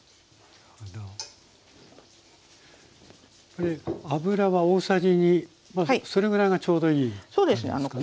これ油は大さじ２それぐらいがちょうどいい感じですか？